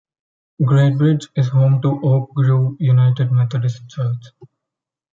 Great Bridge is home to Oak Grove United Methodist Church.